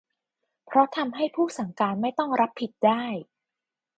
เพราะทำให้ผู้สั่งการไม่ต้องรับผิด ได้